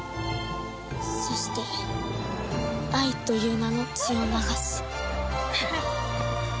そして愛という名の血を流す。